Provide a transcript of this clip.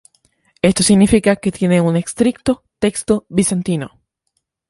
Esto significa que tiene un estricto texto bizantino.